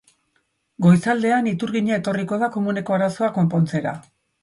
Goizaldean iturgina etorriko da komuneko arazoa konpontzera.